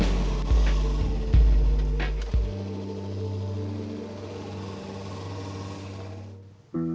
saya sudah malam